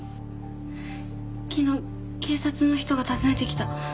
昨日警察の人が訪ねてきた。